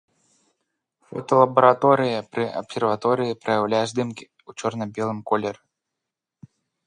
Фоталабараторыя пры абсерваторыі праяўляе здымкі ў чорна-белым колеры.